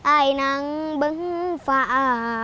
ไอหนังเบิ้งฟ้า